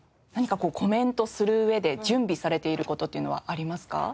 何かコメントする上で準備されている事というのはありますか？